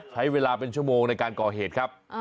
ใช้เวลาเป็นชั่วโมงในการก่อเหตุครับ